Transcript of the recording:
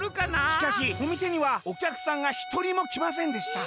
「しかしおみせにはおきゃくさんがひとりもきませんでした」。